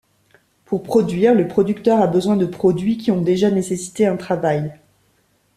Pour produire, le producteur a besoin de produits qui ont déjà nécessité un travail.